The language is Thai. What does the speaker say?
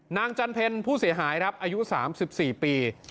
นางจันเพลินผู้เสียหายครับอายุสามสิบสี่ปี